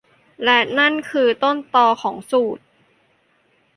และนั่นคือต้นตอของสูต